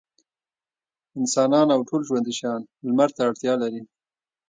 انسانان او ټول ژوندي شيان لمر ته اړتيا لري.